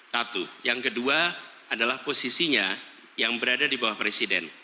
satu yang kedua adalah posisinya yang berada di bawah presiden